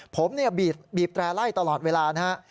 ผมเนี่ยบีบแตร่ไล่ตลอดเวลานะฮะ